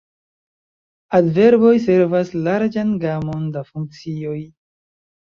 Adverboj servas larĝan gamon da funkcioj.